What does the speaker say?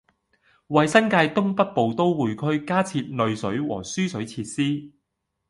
為新界東北部都會區加設濾水和輸水設施